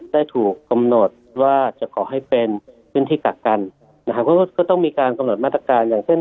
ได้ถูกกำหนดว่าจะขอให้เป็นพื้นที่กักกันนะครับก็ต้องมีการกำหนดมาตรการอย่างเช่น